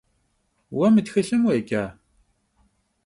Vue mı txılhım vueca?